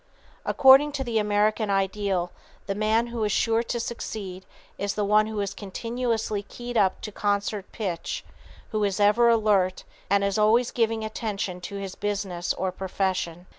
According to the American ideal, the man who is sure to succeed is the one who is continuously 'keyed up to concert pitch' who is ever alert and is always giving attention to his business or profession."